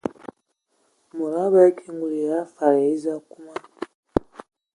Mod abələ ki ngul ya fadi eza akum.